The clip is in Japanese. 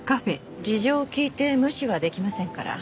事情を聴いて無視はできませんから。